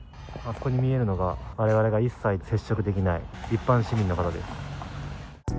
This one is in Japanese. あそこに見えるのが我々が一切接触できない一般市民の方です。